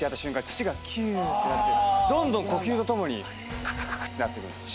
土がきゅーってなってどんどん呼吸とともにくくくくってなってく。